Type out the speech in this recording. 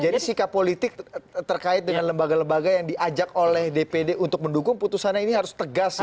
jadi sikap politik terkait dengan lembaga lembaga yang diajak oleh dpd untuk mendukung putusannya ini harus tegas ya